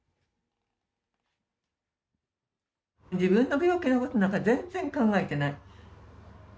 自分の病気のことなんか全然考えてない。